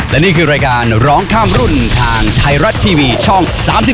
และนี่คือรายการร้องข้ามรุ่นทางไทยรัฐทีวีช่อง๓๒